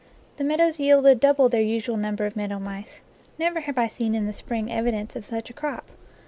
The meadows yielded double their usual number of meadow mice. Never have I seen in the spring evi dence of such a crop.